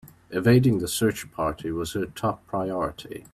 Evading the search party was her top priority.